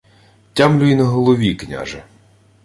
— Тямлю й на голові, княже.